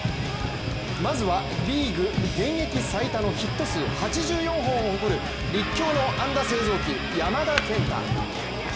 まずはリーグ現役最多のヒット数８４本を誇る立教の安打製造機・山田健太。